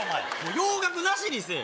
洋楽なしにせぇ！